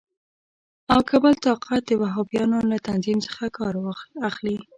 او که بل طاقت د وهابیانو له تنظیم څخه کار اخلي.